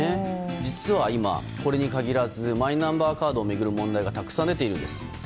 実は今これに限らずマイナンバーカードを巡る問題がたくさん出ているんです。